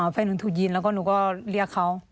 แฟนหนูถูกยิงแล้วก็หนูก็เรียกเขา